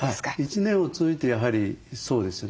一年を通じてやはりそうですね。